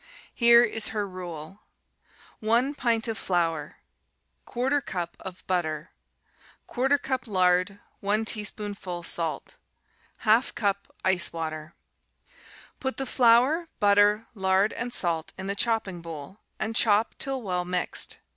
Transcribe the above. Here is her rule: 1 pint of flour. 1/4 cup of butter. 1/4 cup lard, 1 teaspoonful salt. 1/2 cup ice water. Put the flour, butter, lard, and salt in the chopping bowl and chop till well mixed.